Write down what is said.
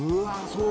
そう